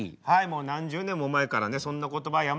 はいもう何十年も前からねそんな言葉